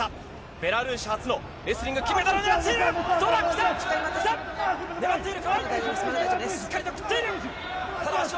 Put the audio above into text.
ベラルーシ初のレスリング金メダルを狙っている。